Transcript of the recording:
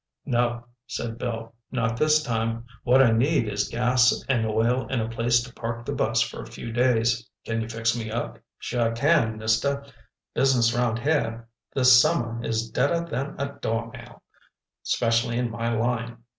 "No," said Bill, "not this time. What I need is gas and oil and a place to park the bus for a few days. Can you fix me up?" "Sure can, Mister. Business round here this summer is deader than a doornail. Specially in my line.